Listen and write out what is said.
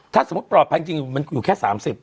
ถ้าสมมุติปลอดภัยจริงมันอยู่แค่๓๐